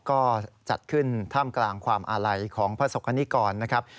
ก็จัดขึ้นท่ามกลางความอาลัยของพระศกคณิกรนะครับ